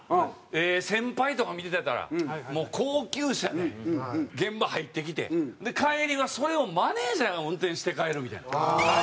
先輩とか見てたらもう高級車で現場入ってきて帰りはそれをマネージャーが運転して帰るみたいな。